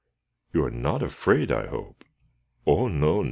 "You are not afraid, I hope." "Oh, no!